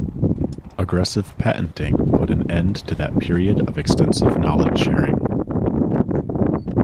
Aggressive patenting put an end to that period of extensive knowledge sharing.